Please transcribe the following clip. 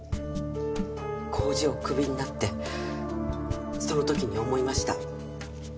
工場をクビになってその時に思いました。